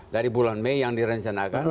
dari bulan mei yang direncanakan